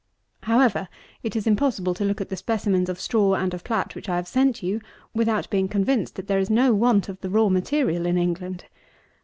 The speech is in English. However, it is impossible to look at the specimens of straw and of plat which I have sent you, without being convinced that there is no want of the raw material in England.